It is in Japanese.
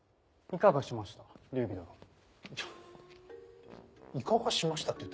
いかがしました？